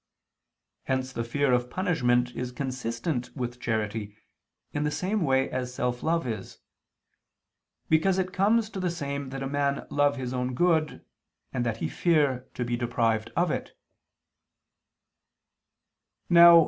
Hence the fear of punishment is consistent with charity, in the same way as self love is: because it comes to the same that a man love his own good and that he fear to be deprived of it.